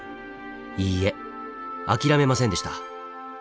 いいえ諦めませんでした。